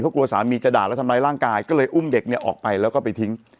เพราะกลัวสามีจะด่าแล้วทำร้ายร่างกายก็เลยอุ้มเด็กเนี่ยออกไปแล้วก็ไปทิ้ง